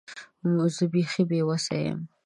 زه بیخي بې وسه یم .